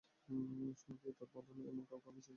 সোনা দিয়ে দাঁত বাঁধানো এমন কাউকে আমি চিনি না।